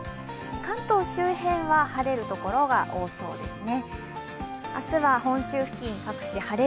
関東周辺は晴れる所が多そうですね。